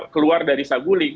keluar dari saguling